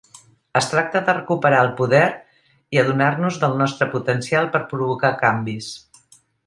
Es tracta de recuperar el poder i adonar-nos del nostre potencial per provocar canvis.